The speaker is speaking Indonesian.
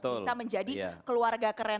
bisa menjadi keluarga keren